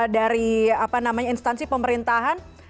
dari apa namanya instansi pemerintahan